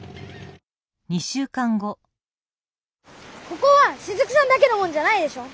ここはしずくさんだけのもんじゃないでしょ。